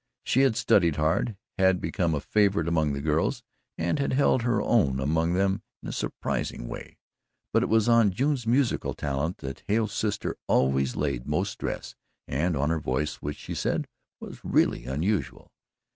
She had studied hard, had become a favourite among the girls, and had held her own among them in a surprising way. But it was on June's musical talent that Hale's sister always laid most stress, and on her voice which, she said, was really unusual.